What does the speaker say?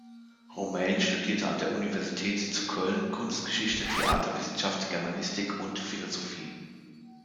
Romain studierte an der Universität zu Köln Kunstgeschichte, Theaterwissenschaft, Germanistik und Philosophie.